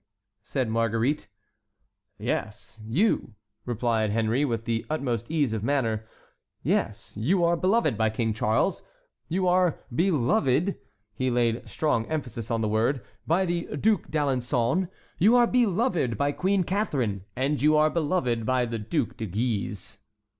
said Marguerite. "Yes, you," replied Henry, with the utmost ease of manner; "yes, you are beloved by King Charles, you are beloved" (he laid strong emphasis on the word) "by the Duc d'Alençon, you are beloved by Queen Catharine, and you are beloved by the Duc de Guise."